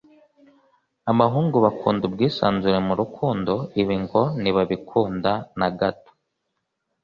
abahungu bakunda ubwisanzure mu rukundo ibi ngo ntibabikunda na gato